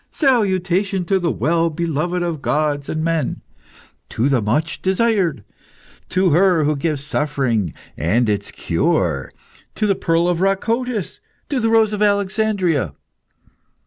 Salutation to the well beloved of gods and men! To the much desired! To her who gives suffering and its cure! To the pearl of Racotis! To the rose of Alexandria!